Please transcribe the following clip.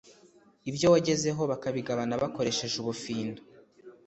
ibyo wagezeho bakabigabana bakoresheje ubufindo